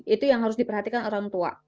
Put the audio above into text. itu yang harus diperhatikan orang tua